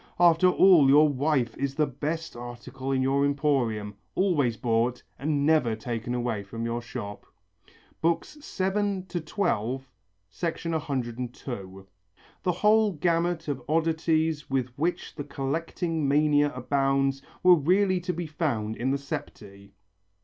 After all your wife is the best article in your emporium, always bought and never taken away from your shop" (VII XII, 102). The whole gamut of oddities with which the collecting mania abounds were really to be found in the septæ.